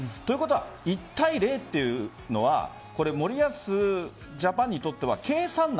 １対０というのは森保ジャパンにとっては計算内